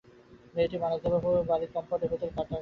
মেয়েটি মারা যাবার পর ঐ বাড়ির কম্পাউন্ডের ভেতরই তার কবর হয়।